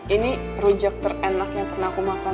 ini rujak terenak yang pernah aku makan